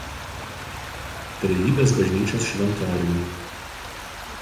Trejybės bažnyčios šventoriuje.